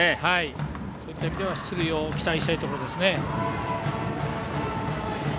そういった意味では出塁を期待したいですね。